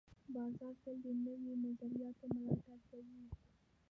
بازار تل د نوو نظریاتو ملاتړ کوي.